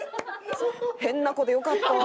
変な子でよかった。